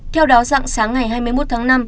theo đó sáng ngày hai mươi một tháng năm